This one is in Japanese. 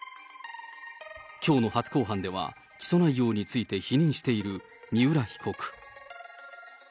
きょうの初公判では、起訴内容について否認している三浦被告。